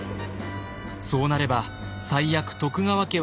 そうなれば最悪徳川家は分裂。